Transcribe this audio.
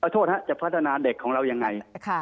โทษจะพัฒนาเด็กของเรายังไง